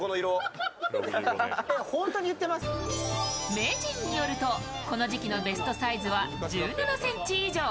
名人によるとこの時期のベストサイズは１７ｃｍ以上。